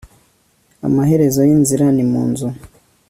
amaherezo y'inzira ni mu nzu